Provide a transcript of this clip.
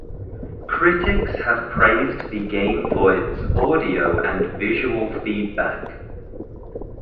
Critics have praised the game for its audio and visual feedback.